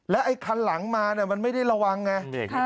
ไอ้คันหลังมามันไม่ได้ระวังไง